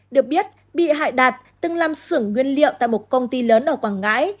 được biết bị hại đạt từng làm xưởng nguyên liệu tại một công ty lớn ở quảng ngãi